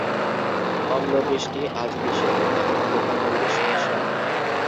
অম্লবৃষ্টি আজ বিশ্বের অন্যতম প্রধান পরিবেশ সমস্যা।